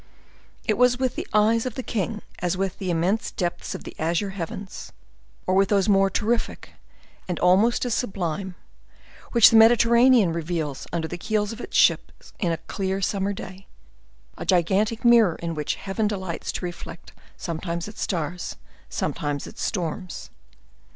It was with the eyes of the king as with the immense depths of the azure heavens, or with those more terrific, and almost as sublime, which the Mediterranean reveals under the keels of its ships in a clear summer day, a gigantic mirror in which heaven delights to reflect sometimes its stars, sometimes its storms.